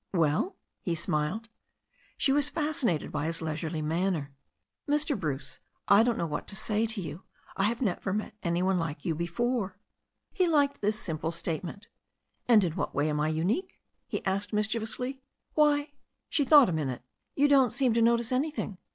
"Well ?" he smiled. She was fascinated by his leisurely manner. "Mr. Bruce, I don't know what to say to you. I have never met any one like you before." He liked this simple statement. 'In what way am I unique ?" he asked mischievously. 'Why," — she thought a moment — "you don't seem to notice anything.